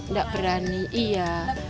ndak berani iya